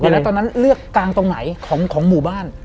แล้วตอนนั้นเลือกกางตรงไหนของหมู่บ้าน